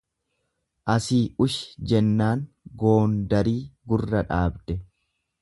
Asii ushi jennaan Goondarii gurra dhaabde.